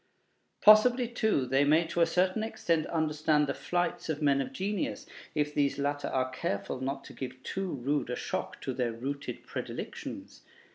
Possibly, too, they may to a certain extent understand the flights of men of genius, if these latter are careful not to give too rude a shock to their rooted predilections.